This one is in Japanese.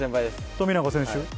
富永選手。